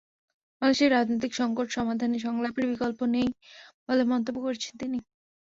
বাংলাদেশের রাজনৈতিক সংকট সমাধানে সংলাপের বিকল্প নেই বলে মন্তব্য করেছেন তিনি।